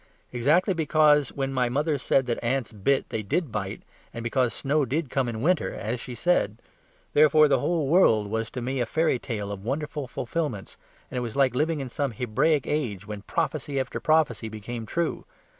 Exactly because when my mother said that ants bit they did bite, and because snow did come in winter (as she said); therefore the whole world was to me a fairyland of wonderful fulfilments, and it was like living in some Hebraic age, when prophecy after prophecy came true.